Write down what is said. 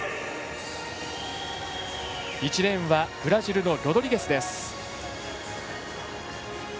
１レーンはブラジルのロドリゲスです。